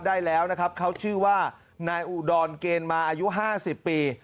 ได้แล้วนะครับเขาชื่อว่านายอุดรเกณฑ์มาอายุ๕๐ปี